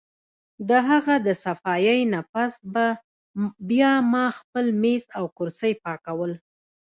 د هغه د صفائي نه پس به بیا ما خپل مېز او کرسۍ پاکول